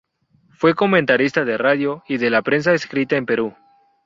Fue comentarista de radio y de la prensa escrita en Perú.